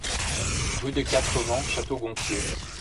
Rue des Quatres Vents, Château-Gontier